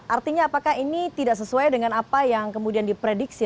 artinya apakah ini tidak sesuai dengan apa yang kemudian diprediksi